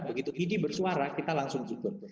begitu id bersuara kita langsung ikut